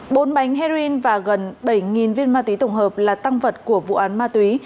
bốn bánh heroin và gần bảy viên ma túy tổng hợp là tăng vật của vụ án ma túy